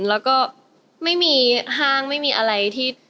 แล้วก็ไม่มีห้างไม่มีอะไรที่